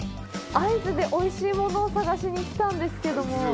会津でおいしいものを探しに来たんですけども。